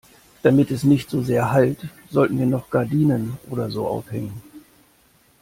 Damit es nicht so sehr hallt, sollten wir noch Gardinen oder so aufhängen.